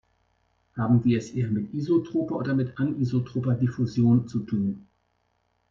Haben wir es eher mit isotroper oder mit anisotroper Diffusion zu tun?